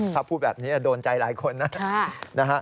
ถ้าพูดแบบนี้โดนใจหลายคนนะ